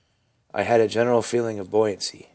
I had a general feeling of buoyancy.